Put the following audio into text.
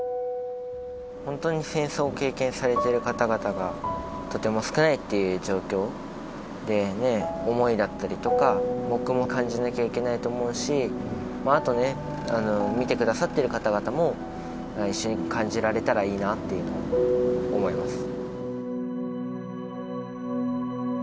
本当に戦争を経験されてる方々がとても少ないっていう状況でね、思いだったりとか、僕も感じなきゃいけないと思うし、あとね、見てくださってる方々も一緒に感じられたらいいなって思います。